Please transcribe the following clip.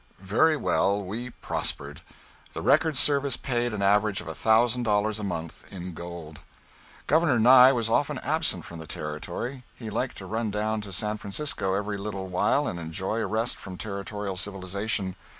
Very well, we prospered. The record service paid an average of a thousand dollars a month, in gold. Governor Nye was often absent from the Territory. He liked to run down to San Francisco every little while and enjoy a rest from Territorial civilization.